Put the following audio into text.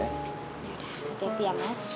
yaudah hati hati ya mas